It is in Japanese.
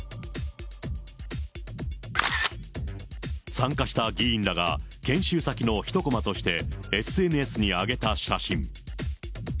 参加した議員らが研修先の一コマとして、ＳＮＳに上げた写真。